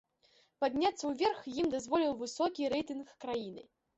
Падняцца ўверх ім дазволіў высокі рэйтынг краіны.